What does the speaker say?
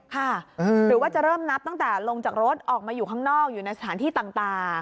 หรือว่าจะเริ่มนับตั้งแต่ลงจากรถออกมาอยู่ข้างนอกอยู่ในสถานที่ต่าง